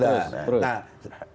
dan juga presiden